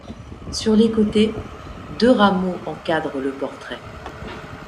Sur les côtés, deux rameaux encadrent le portrait.